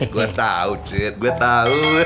gua tau cek gua tau